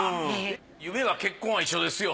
夢は結婚は一緒ですよ